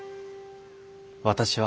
私は。